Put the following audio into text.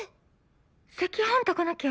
赤飯炊かなきゃ。